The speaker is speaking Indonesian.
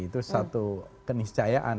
itu satu keniscayaan